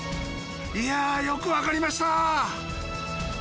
いやよくわかりました。